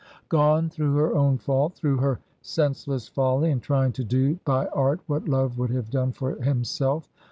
Gone through her own fault, through her senseless folly in trying to do by art what love would have done for himself.